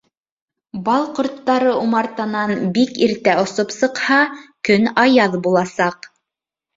Бал ҡорттары умартанан бик иртә осоп сыҡһа, көн аяҙ буласаҡ.